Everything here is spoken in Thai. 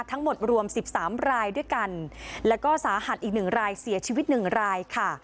ทั้งหมดรวมสิบสามรายด้วยกันแล้วก็สาหัสอีกหนึ่งรายเสียชีวิตหนึ่งรายค่ะ